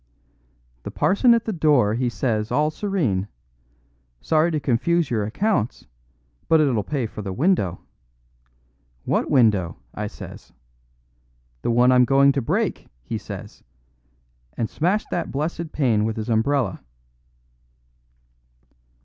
"The parson at the door he says all serene, 'Sorry to confuse your accounts, but it'll pay for the window.' 'What window?' I says. 'The one I'm going to break,' he says, and smashed that blessed pane with his umbrella."